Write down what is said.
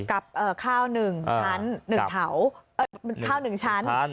กลับเอ่อข้าวหนึ่งชั้นหนึ่งเถาเอ่อข้าวหนึ่งชั้น